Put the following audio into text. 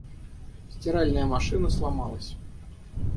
Стиральная машина сломалась.